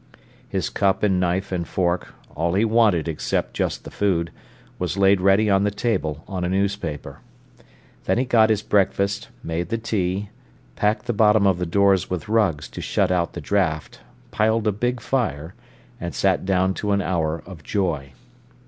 His cup and knife and fork, all he wanted except just the food, was laid ready on the table on a newspaper. Then he got his breakfast, made the tea, packed the bottom of the doors with rugs to shut out the draught, piled a big fire, and sat down to an hour of joy.